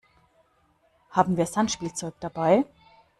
Haben wir Sandspielzeug dabei?